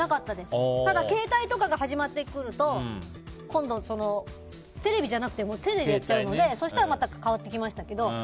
ただ、携帯とかが始まってくると今度、テレビじゃなくて手でやっちゃうので、そうしたらまた変わってきましたけど。